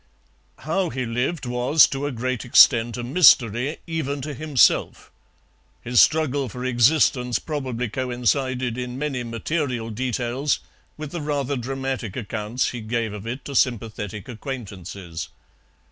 How he lived was to a great extent a mystery even to himself; his struggle for existence probably coincided in many material details with the rather dramatic accounts he gave of it to sympathetic acquaintances.